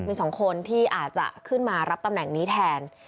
มี๒คนที่อาจจะขึ้นมารับตำแหน่งนี้แทน